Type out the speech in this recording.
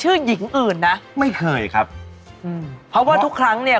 แหม่มมันทำร่องเอาไว้ให้แล้วนี่